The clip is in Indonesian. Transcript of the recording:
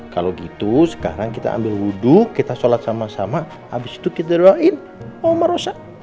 kalo gitu sekarang kita ambil wudhu kita sholat sama sama abis itu kita doain omah rosa